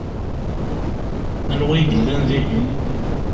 Anwa i yellan dihin?